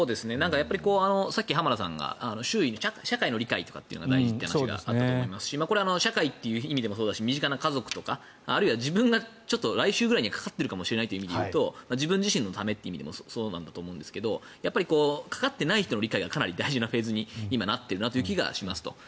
さっき浜田さんが社会の理解が大事という話があったと思いますが身近な家族とかあるいは自分が来週ぐらいにかかっているかもしれないという意味で言うと自分自身のためという意味でもそうだと思うんですがかかっていない人の理解が大事なフェーズに今、なっているな気がしますと。